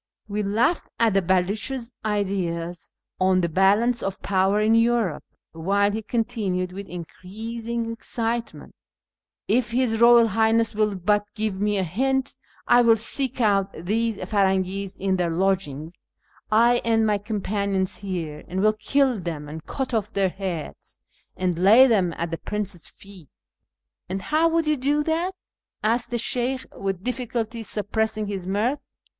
We laughed at the Bcluch's ideas on tlic balance of power in Europe, while he continued with increasing excitement —" If his Eoyal Highness will hut give me a hint, I will seek out these Firangis in their lodging — 1 and my com panions here — and will kill them, and cut off their lieads, and lay them at the prince's feet." " And how Avould you do that ?" asked the Sheykh, with difficulty suppressing his mirth.